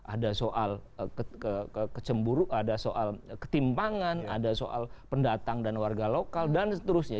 ada soal kecemburu ada soal ketimpangan ada soal pendatang dan warga lokal dan seterusnya